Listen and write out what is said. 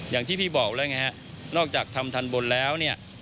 อย่างที่พี่บอกแล้วนอกจากทำทันบลแล้ว